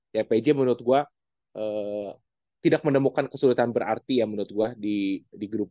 ya pj menurut gue tidak menemukan kesulitan berarti ya menurut gue di grup